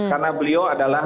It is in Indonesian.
karena beliau adalah